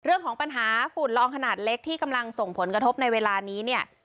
เรื่องของปัญหาฝุ่นละอองขนาดเล็กที่กำลังส่งผลกระทบในเวลานี้เนี่ย